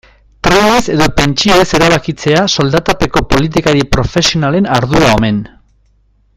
Trenez edo pentsioez erabakitzea soldatapeko politikari profesionalen ardura omen.